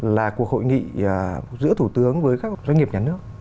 là cuộc hội nghị giữa thủ tướng với các doanh nghiệp nhà nước